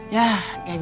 ya kayak gitu